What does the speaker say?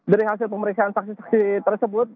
dari hasil pemeriksaan saksi saksi tersebut